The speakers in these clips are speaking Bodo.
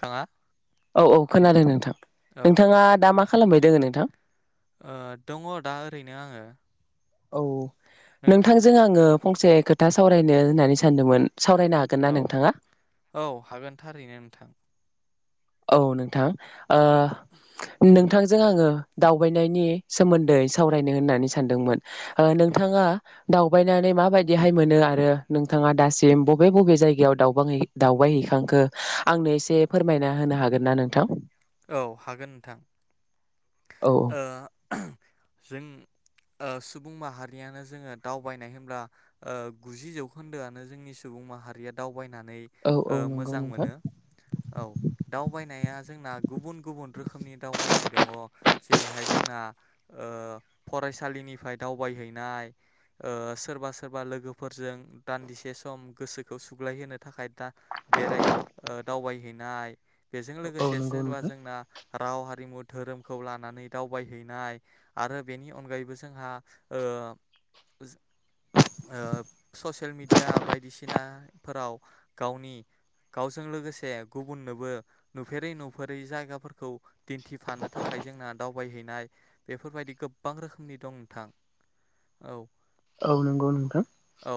खाङा औ औ खोनादों नोंथां नोंथाङा दा मा खालामबाय दोङो नोंथां? ओ दङ दा ओरैनो आङो, औ औ नोंथ नोंथांजों आङो फंसे खोथा सावरायनो होननानै सानदोंमोन, सावरायनो हागोन ना औ नोंथाङा? औ हागोन थारैनो नोंथां औ नोंथां ओ नोंथांजों आङो दावबायनायनि सोमोन्दै सावरायनो होननानै सानदोंमोन। ओ नोंथाङा दावबायनानै माबायदिहाय मोनो आरो नोंथाङा दासिम बबे बबे जायगायाव दावबांहै दावबायहैखांखो आंनो एसे फोरमायना, होनो हागोन ना नोंथां? औ हागोन नोंथां, औ ओ जों ओ सुबुं माहारियानो जोङो दावबायनाय होनब्ला ओ गुजि जौखोन्दोआनो जोंनि सुबुं माहारिया दाव बायनानै औ औ ओ नंगौ मोजां नोंथां मोनो औ दावबायनाया जोंना गुबुन गुबुन रोखोमनि दावबायनाय दङ। जेरैहाय जोंना ओ फरायसालिनिफाय दावबायहैनाय, ओ सोरबा सोरबा लोगोफोरजों दान्दिसे सम गोसोखौ सुग्लायहोनो थाखाय दा बेराय ओ दावबायहैनाय बेजों औ लोगोसे नंगौ सोरबा नोंथां जोंना राव हारिमु धोरोम खौ लानानै दावबायहैनाय आरो बेनि अनगायैबो जोंहा ओ जों ओ ससियेल मिडिया बायदिसिनाफोराव गावनि गावजों लोगोसे गुबुननोबो नुफेरै नुफेरै जायगाफोरखौ दिन्थिफानो थाखाय जोंना दावबायहैनाय बेफोरबायदि गोबां रोखोमनि दं नोंथां औ औ नंगौ नोंथां। औ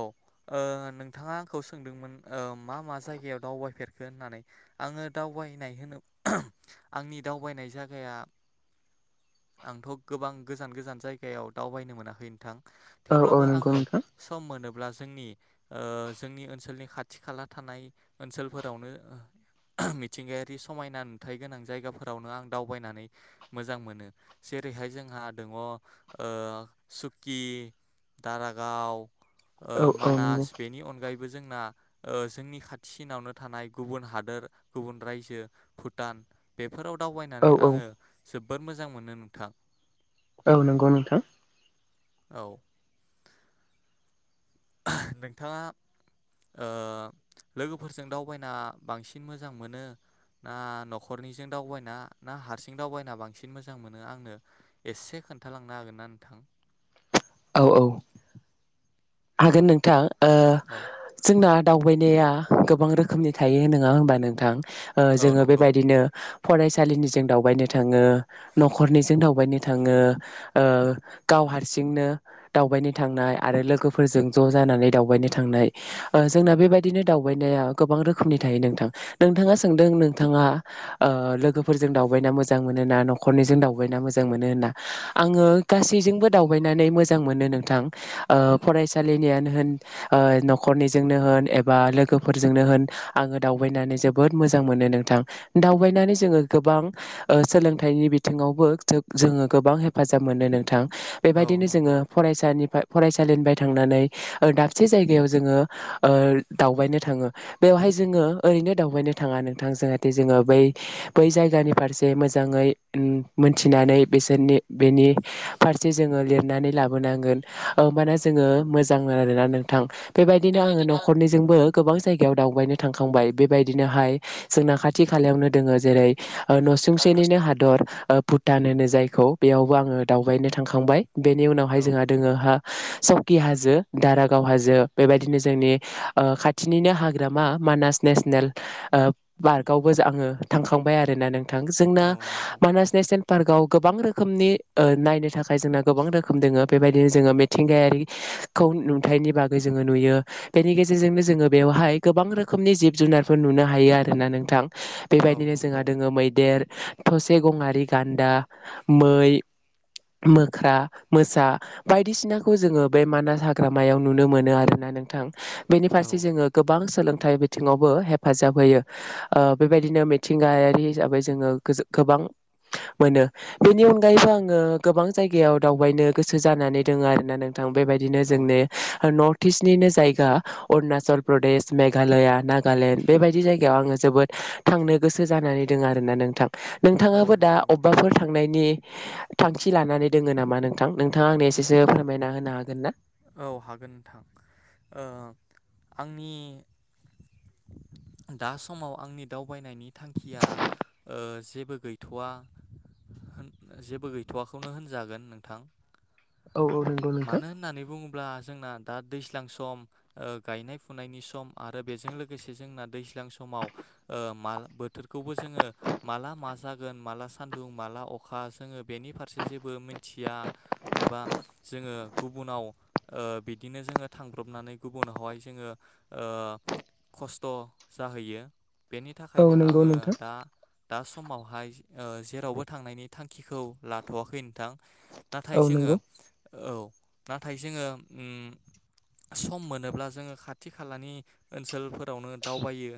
ओ नोंथाङा आंखौ सोंदोंमोन ओ मा मा जायगायाव दावबायफेरखो होननानै आङो दावबायनाय होनो [unintelligible] आंनि दावबायनाय जागाया आंथ' गोबां गोजान गोजान जायगायाव दावबायनो मोनाखै नोंथां। औ औ थेवब्लाबो नंगौ आङो नोंथां सम मोनोब अब्ला जोंनि ओ जोंनि ओनसोलनि खाथि खाला थानाय ओनसोलफोरावनो ओ मिथिंगायारि समायना नुथायाइ गोनां जायगाफोरावनो आं दावबायनानै मोजां मोनो जेरैहाय जोंहा दङ ओ सुकि दारागाव औ ओ नंगौ मानास बेनि अनगायै जोंना ओ जोंनि खाथिसिनावनो थानाय गुबुन हादोर गुबुन रायजो भुटान बे बे फोराव औ दावबायनानै औ आङो जोबद मोजां मोनो नोंथां। औ नंगौ नोंथां। औ। हो नोंथाङा ओ लोगोफोरजों दावबायना बांसिन मोजां मोनो ना नखरनिजों दावबायना ना हारसिं दावबायना बांसिन मोजां मोनो आंनो एसे खोन्थालांनो हागोना नोंथां। औ औ। हागोन नोंथाङ ओ औ जोंना दावबायनाया गोबां रोखोमनि थायो नङा होनोमबा नोंथां ओ औ जोङो नंगौ बेबायदिनो फरायसालिनिजों दावबायनो थाङो नखरनिजों दावबायनो थाङो ओ गाव हारसिंनो दावबायनो थांनाय आरो लोगो फोरजों ज जानानै दावबायनो थांनाय ओ जोंना बेबायदिनो दावबायनाया गोबां रोखोमनि थायो नोंथां। नोंथाङा सोंदों नोंथाङा ओ लोगोफोरजों दावबायना मोजां मोनो ना नखरनिजों दावबायना मोजां मोनो होना। आङो गासैजोंबो दावबायनानै मोजां मोनो नोंथां ओ फरायसालिनियानो होन ओ नखरनिजोंनो होन एबा लोगोफोरजोंनो होन आङो दावबायनानै जोबोद मोजां मोनो नोंथां। दावबायनानै जोङो गोबां सोलोंथाइनि बिथिङावबो जो-जोङो गोबां हेफाजाब मोनो नोंथां औ बेबायदिनो जोङो नंगौ फरायसानिफ्राय फराय साललिबाय थांनानै दाबसे जायगायाव जोङो ओ दावबायनो थाङो। बेवहाय जोङो ओरैनो दावबायनो थाङा नोंथां जाहाथे जोङो बै बै जायगानि फारसे मोजाङै उ मोनथिनानै बिसोरनि बेनि फारसे जोङो लिरनानै लाबोनांगोन होमबाना जोङो मोजां मोन आरोना नोंथां बेबायदिनो आङो नखरनिजोंबो गोबां जायगायाव दावबायनो थांखांबाय बेबायदिनोहाय जोंना खाथि खालायावनो दोङो जेरै ओ आं न नसुंसेनिनो हादर ओ भु दान होनो जायखौ बेयावबो आङो दावबायनो थांखांबाय बेनि उनावहाय औ जोंहा दोङोहा हो सौकि हाजो दारागाव हाजो बेबायदिनो जोंनि ओ खाथिनिनो हाग्रामा मानास नेसनेल हो ओ पार्कआवबो आङो थांखांबाय आरोना नों जोंना औ हो नंगौ मानास नेसनेल पार्कआव गोबां रोखोमनि ओ नायनो थाखाय जोंना गोबां रोखोम दोङो बेबायदिनो जोङो मिथिंगायारिखौ नुथायनि बागै जोङो नुयो बेनि गेजेरजोंनो जोङो बेवहाय गोबां रोखोमनि जिब जुनारफोर नुनो हायो आरोना नोंथां हो औ बेबायदिनो जोंहा नंगौ दोङो मैदेर थसे गंआरि गान्दा मै मोख्रा मोसा बायदिसिना खौ जोङो बे मानास हाग्रामायाव नुनो मोनो आरोना नोंथां बेनि फारसे औ जोङो गोबां सोलोंथाइ बिथिङावबो हेफाजाब होयो ओ बेबायदिनो मिथिंगायारि हिसाबै जोङो गोबां मोनो बेनि अनगायैबो आङो गोबां जायगायाव दावबायनो गोसो जानानै दोङो आरो होननानों थां बेबायदिनो औ जोंनि नर्थ ईस्टनिनो जायगा अरुणाचल प्रदेश मेघालया नागालेण्ड बेबायदि जायगायाव आङो जोबोद थांनो गोसो जानानै दोङो आरोना नोंथां औ नोंथाङाबो दा नंगौ अबबाफोर थांनायनि थांखि लानानै दोङो नामा नोंथां नोंथाङा आंनो एसेसो फो मायना होनो हागोन ना? औ हागोन नोंथां ओ आंनि दा समाव आंनि दावबायनायनि थांखिया ओ जेबो गैथवा ‌होन जेबो गैथवखौनो होनजागोन नोंथां औ औ नोंगौ नोंथां ब्ला जोंना दा दैज्लां सम ओ गायनाय फुनायनि सम आरो बेजों लोगोसे जोंना दैज्लां समाव ओ माल बोथोरखौबो जोङो माला मा जागोन माला सान्दुं माला अखा जोङो बेनि फारसे जेबो मिथिया एबा जोङो गुबुनाव ओ बिदिनो जोङो थांब्रबनानै गुबुनावहाय जोङो खस्थ' जाहैयो बेनि औ थाखायनो नंगौ आङो नोंथां दा दा समावहाय ओ जेरावबो थांनायनि थांखिखौ लाथ'वाखै नोंथां नाथाय औ जोङो नंगौ औ नाथाय जोङो ओ सम मोनोब्ला जोङो खाथि खालानि ओनसोलफोरावनो दावबायो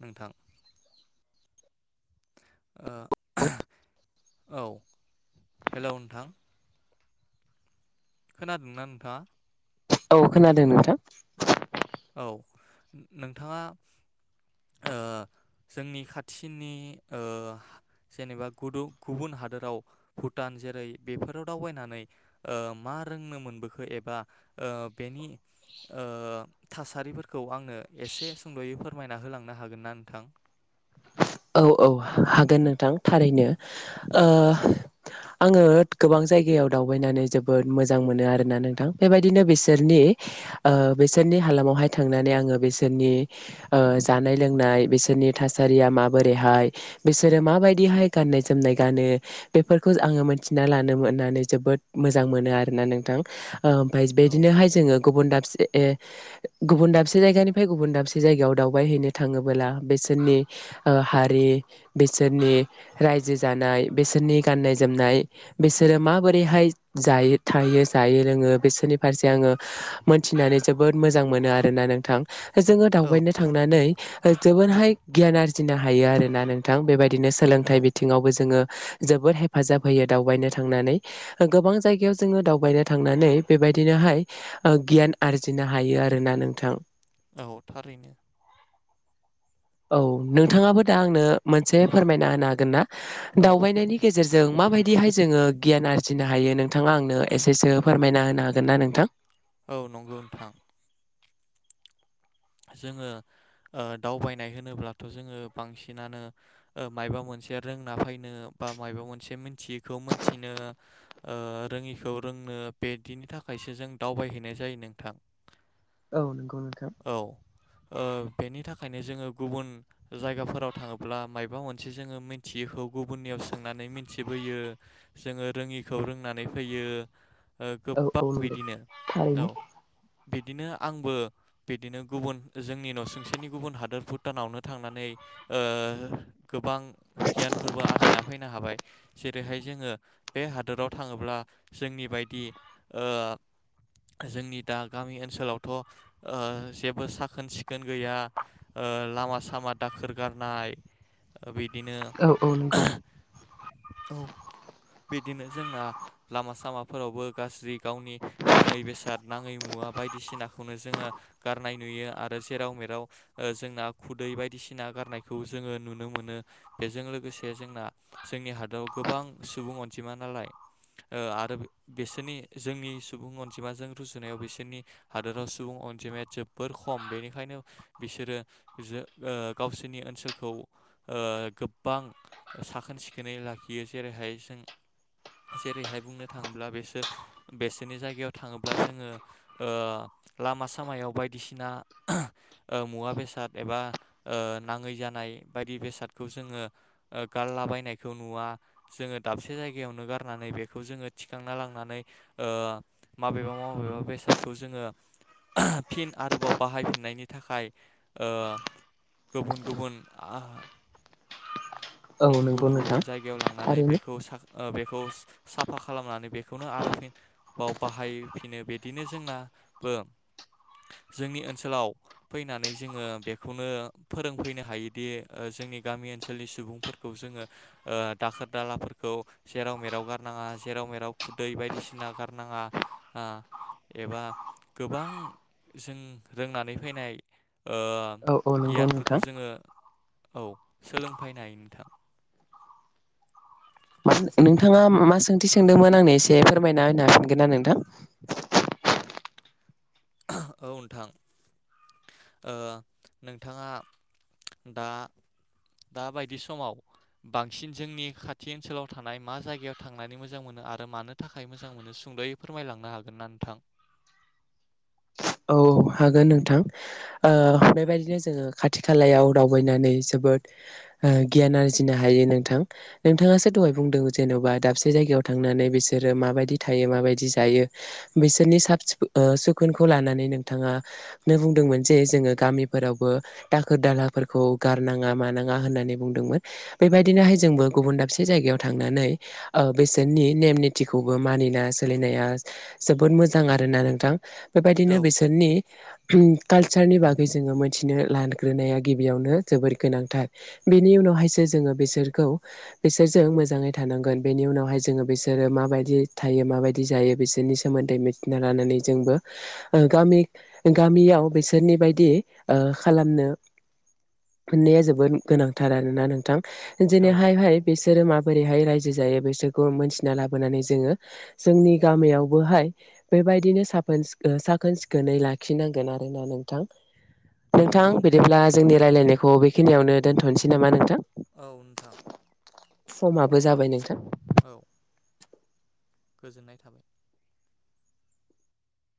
नोंथां ओ औ हेलौ नोंथां खोनादोंना नोंथाङा औ खोनादों नोंथां औ नोंथाङा ओ जोंनि खाथिनि ओ जेनेबा गुदु गुबुन हादोराव भुटान जेरै बेफोराव दावबायनानै ओ मा रोंनो मोनबोखो एबा ओ बेनि ओ थासारिफोरखौ आंनो एसे सुंद'यै फोरमायना होलांनो हागोन ना नोंथां औ औ हागोन नोंथां थारैनो ओ आङो गोबां जायगायाव दावबायनानै जोबोद मोजां मोनो आरोना नोंथां बेबायदिनो बिसोरनि बिसोरनि हालामावहाय थांनानै आङो बिसोरनि जानाय लोंनाय बिसोरनि थासारिया माब बोरैहाय बिसोरो माबायदिहाय गाननाय जोमनाय गानो बेफोरखौ आङो मोनथिना लानो मोननानै जोबोद मोजां मोनो आरोना नोंथां ओमफाय औ बेदिनोहाय जोङो गुबुन दाबसे गुबुन दाबसे जायगानिफ्राय गुबुन दाबसे जायगायाव दावबाय हैैनो थाङोबोला बिसोरनि ओ हारि बिसोरनि रायजो जानाय बिसोरनि गाननाय जोमनाय बिसोरो माबोरैहाय जायो थायो जायो लोङो बिसोरनि फारसे आङो मोनथिनानै जोबोद मोजां मोनो आरोना नोंथां जोङो औ दावबायनो थारैनो थांनानै जोबदहाय गियान आरजि जिनो हायो आरो ना नोंथां बेबायदि बिदिनो औ सोलोंथाइ बिथिङावबो जोङो जोबोद हेफाजाब होयो दावबायनो थांनानै गोबां जायगायाव जोङो दावबायनो थांनानै बेबायदिनोहाय गियान आरजिनो हायो आरोना नोंथां औ थारैनो औ नोंथाङाबो दा आंनो मोनसे फोरमायना होनो हागोन ना औ दावबायनायनि गेजेरजों माबायदिहाय जोङो गियान आरजिनो हायो नोंथाङा आंनो एसेसो फोरमायना होनो हागोन ना नोंथां? औ नंगौ नोंथां जोङो ओ दावबायनाय होनोब्लाथ जोङो बांसिनानो माबा मोनसे रोंना फैनो बा माबा मोनसे मोनथियैखौ मोनथिनो रोङिखौ रोंनो बिदिनि थाखायसो जों दावबायहैनाय जायो नोंथां। औ नंगौ नोंथां। औ ओ बेनि थाखायनो जोङो गुबुन जायगाफोराव थाङोब्ला माबा मोनसे जोङो मिथियिखौ गुबुननियाव सोंनानै मिथि बोयो जोङो रोङिखौ रोंनानै फैयो। ओ औ गोबां औ नंगौ बिदिनो औ थारैनो बिदिनो आंबो बिदिनो गुबुन जोंनि नसुंसेनि गुबुन हादोर भुटानावनो थांनानै गोबां गियानफोरबो आरजिना फैनो हाबाय जेरैहाय जोङो बे हादोराव थाङोब्ला जोंनि बायदि ओ जोंनि दा गामि ओनसोलावथ ओ जेबो साखोन सिखोन गैया ओ लामा सामा दाखोर गारनाय बिदि दिनो औ औ नंगौ औ बिदिनो जोंना लामा सामाफोरावबो गाज्रि गावनि नाङै बेसाद नाङै मुवा बायदिसिनाखौनो जोङो गारनाय नुयो आरो जेराव मेराव जोंना खुदै बायदिसिना गारनायखौ जोङो नुनो मोनो बेजों लोगोसे जोंना जोंनि हादोराव गोबां सुबुं अनजिमा नालाय ओ आरो बिसोरनि जोंनि सुबुं अनजिमाजों रुजुनायाव बिसोरनि हादोराव सुबुं अन जिमाया जोबोर खम बेनिखायनो बिसोरो जों ओ गावसोरनि ओनसोलखौ ओ गोबां साखोन सिखोनै लाखियो जेरैहाय जों जेरैहाय बुंनो थाङोब्ला बेसो बेसोरनि जायगायाव थाङोब्ला जोङो ओ लामा सा सामायाव बायदिसिना मुवा बेसाद एबा ओ नाङै जानाय बायदि बेसादखौ जोङो गारला बानायखौ नुवा जोङो दाबसे जायगायावनो गारनानै बेखौ जोङो थिखांना लांनानै ओ माबेबा माबेबा बेसादखौ जोङो फिन आरोबाव बाहायफिननायनि थाखाय ओ गुबुन गुबुन औ उम नंगौ गुबुन नोंथां गुबुन जायगायाव लांनानै थारैनो बेखौ साखो बेखौ साफा खालामनानै बेखौनो आरो फिन बाव बाहायफिनो बिदिनो जोंनाबो जोंनि ओनसोलाव फैनानै जोङो बेखौनो फोरोंफैनो हायोदि जोंनि गामि ओनसोलनि सुबुं फोरखौ जोङो ओ दाखोर दालाफोरखौ जेराव मेराव गारनाङा जेराव मेराव खुदै बायदिसिना गारनाङा एबा गोबां जों रोंनानै फैनाय ओ औ औ नंगौ गियानफोरखौ नोंथां जोङो औ सोलोंफैनाय थां मा नोंथाङा मा सोंथि सोंदोंमोन आंनो एसे फोरमायना होनो हाफिनगोनना नोंथां औ नोंथां ओ नोंथाङा दा दा बायदि समाव बांसिन जोंनि खाथि ओनसोलाव थानाय मा जायगायाव थांनानै मोजां मोनो आरो मानो थाखाय मोजां मोनो सुंदयै फोरमायलांनो हागोन ना नोंथां? औ हागोन नोंथां ओ बेबायदिनो जोङो खाथि खालायाव दावबायनानै जोबोद गियान आरजिनो हायो नोंथां नोंथाङासो दहाय बुंदों जेनबा दाबसे जायगायाव थांनानै बिसोरो माबायदि थायो माबायदि जायो बिसोरनि साब सुखु सुखोनखौ लानानै नो थाङा बुंदोंमोन जे जोङो गामिफोरावबो दाखोर दालाफोरखौ गारनाङा मानाङा होननानै बुंदोंमोन बेबायदिनोहाय जोंबो गुबुन दाबसे जायगायाव थांनानै ओ बेसोरनि नेम निथिखौबो मानिना सोलिनाया जोबोद मोजां आरोना नोंथां। औ बेबायदिनो बिसो कालचारनि बागै जोङो मिथिनो लाग्रोनाया गिबियावनो जोबोर गोनांथार बेनि उनावहायसो जोङो बिसोरखौ बिसोरजों मोजाङै थानांगोन बेनि उनावहाय जोङो बिसोरो माबायदि थायो माबायदि जायो बिसोरनि सोमोन्दै मिथिना लानानै जोंबो। गामि गामियाव बिसोरनि बायदि ओ खालामनो मोननाया जोबोद गोनांथार आरोना नोंथां। औ जेनोहाय हाय हाय बिसो धोरोमा बोरैहाय रायजो जायो बिसोरखौ मोनथिना लाबोनानै जोङो जोंनि गामियावबोहाय बेबायदिनो साफोन सिखोन साखोन सि खोनै लाखिनांगोन आरोना नोंथां नोंथां बिदिब्ला जोंनि रायज्लायनाय खौ बेखिनियावनो दोनथनोसै नामा नोंथां औ नोंथां बो जाबाय नोंथां औ गोजोननाय थाबाय